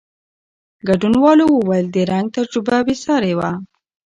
ګډونوالو وویل، د رنګ تجربه بېساري وه.